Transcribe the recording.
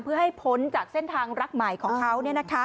เพื่อให้พ้นจากเส้นทางรักใหม่ของเขา